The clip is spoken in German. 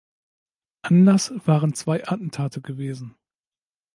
Anlass waren zwei Attentate gewesen.